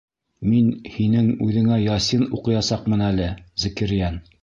Мин һинең үҙеңә ясин уҡыясаҡмын әле, Зәкирйән.